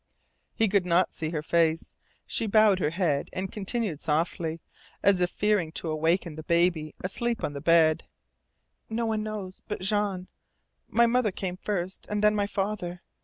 He could not see her face. She bowed her head and continued softly, as if fearing to awaken the baby asleep on the bed: "No one knows but Jean. My mother came first, and then my father.